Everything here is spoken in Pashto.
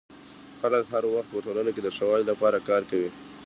خلک هر وخت په ټولنه کي د ښه والي لپاره کار کوي.